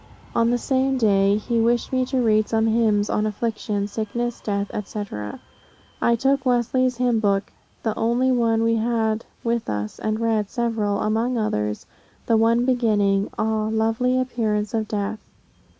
On the same day, he wished me to read some hymns on affliction, sickness, death, &c. I took Wesley's Hymn Book, the only one we had with us, and read several, among others, the one beginning 'Ah, lovely appearance of death.'